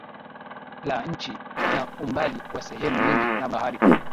la nchi na umbali wa sehemu nyingi na bahari